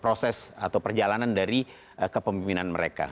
proses atau perjalanan dari kepemimpinan mereka